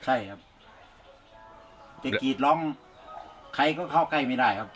ใช่ครับจะกรีดร้องใครก็เข้าใกล้ไม่ได้ครับ